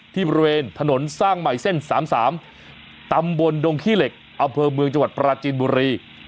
บริเวณถนนสร้างใหม่เส้น๓๓ตำบลดงขี้เหล็กอำเภอเมืองจังหวัดปราจีนบุรี